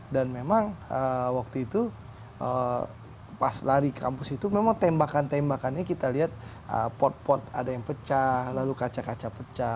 memang waktu itu pas lari ke kampus itu memang tembakan tembakannya kita lihat pot pot ada yang pecah lalu kaca kaca pecah